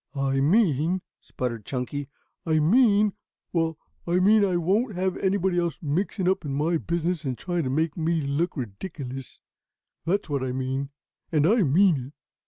"I mean," sputtered Chunky. "I mean Well, I mean that I won't have anybody else mixing up in my business and trying to make me look ridiculous. That's what I mean, and I mean it."